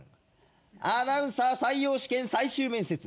アナウンサー採用試験最終面接